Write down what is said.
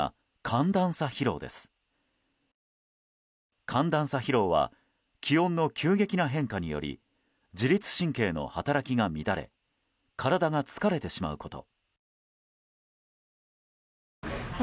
寒暖差疲労は気温の急激な変化により自律神経の働きが乱れ体が疲れてしまうこと。